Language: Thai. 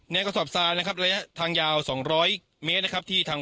ในกษัตริย์นะครับระยะทางยาวสองร้อยเมตรนะครับที่ทาง